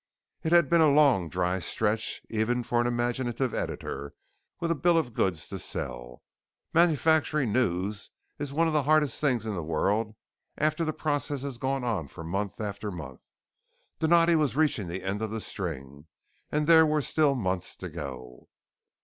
It had been a long dry stretch, even for an imaginative editor with a bill of goods to sell. Manufacturing news is one of the hardest things in the world after the process has gone on for month after month. Donatti was reaching the end of the string, and there were still months to go.